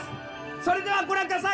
それではご覧ください。